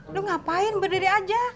udah ngapain berdiri aja